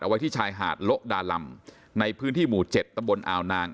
ไว้ที่ชายหาดโละดาลำในพื้นที่หมู่๗ตำบลอาวนาง